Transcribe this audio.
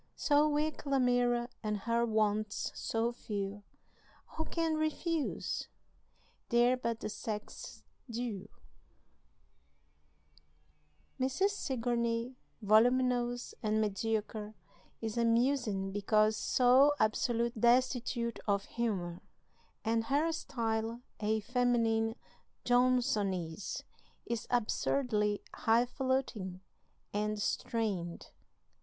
So weak Lamira and her wants so few Who can refuse? they're but the sex's due." Mrs. Sigourney, voluminous and mediocre, is amusing because so absolutely destitute of humor, and her style, a feminine Johnsonese, is absurdly hifalutin and strained.